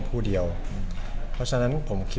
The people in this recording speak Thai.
ก็คือทำไมผมถึงไปยื่นคำร้องต่อสารเนี่ย